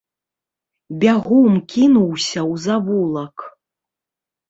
Бягом кінуўся ў завулак.